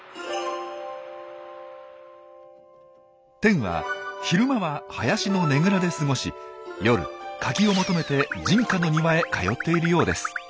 テンは昼間は林のねぐらで過ごし夜カキを求めて人家の庭へ通っているようです。